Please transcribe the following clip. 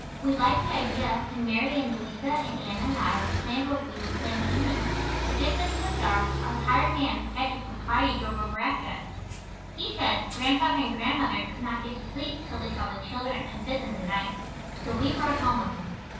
We liked the idea and Mary and Louisa and Anna and I planned what we would play in the evening, but just as it was dark our hired man, Patrick McCarty, drove over after us. He said Grandfather and Grandmother could not get to sleep till they saw the children and bid them good night. So we rode home with him.